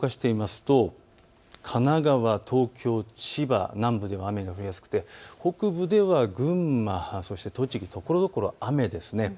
神奈川、東京、千葉南部では雨が降りやすくて北部では群馬、栃木、ところどころ雨です。